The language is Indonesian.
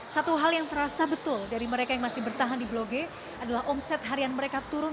satu hal yang terasa betul dari mereka yang masih bertahan di blok g adalah omset harian mereka turun